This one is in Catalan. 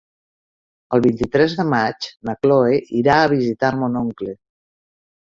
El vint-i-tres de maig na Cloè irà a visitar mon oncle.